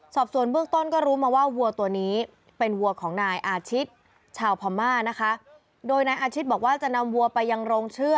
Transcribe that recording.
สอบส่วนเบื้องต้นก็รู้มาว่าวัววัวตัวนี้เป็นวัวของนายอาชิตชาวพร